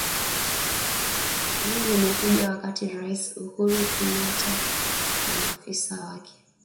Hili limekuja wakati Rais Uhuru Kenyatta na maafisa wake